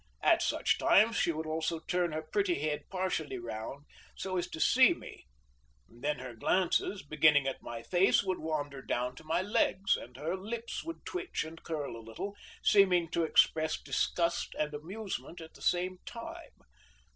At such times she would also turn her pretty head partially round so as to see me: then her glances, beginning at my face, would wander down to my legs, and her lips would twitch and curl a little, seeming to express disgust and amusement at the same time.